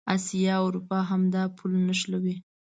اسیا او اروپا همدا پل نښلوي.